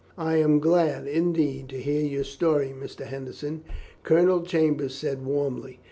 "I am glad indeed to hear your story, Mr. Henderson," Colonel Chambers said warmly.